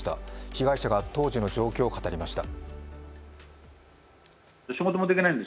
被害者が当時の状況を語りました。